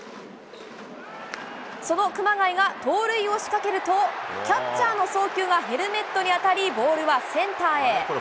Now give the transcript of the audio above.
その熊谷が盗塁を仕掛けると、キャッチャーの送球がヘルメットに当たり、ボールはセンターへ。